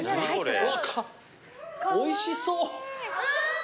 うわおいしそう。